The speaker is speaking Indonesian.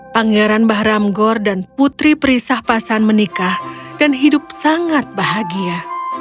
pangeran bahramgor dan putri peri sah pasan menikah dan hidup sangat bahagia